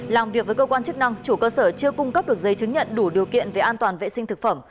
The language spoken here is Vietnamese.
làm việc với cơ quan chức năng chủ cơ sở chưa cung cấp được giấy chứng nhận đủ điều kiện về an toàn vệ sinh thực phẩm